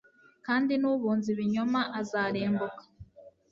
kandi n'ubunza ibinyoma azarimbuka